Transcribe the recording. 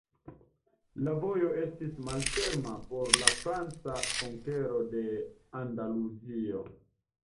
La vojo estis malferma por la franca konkero de Andaluzio.